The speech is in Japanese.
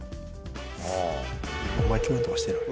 お前共演とかしてない？